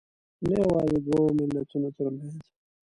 نه یوازې دوو ملتونو تر منځ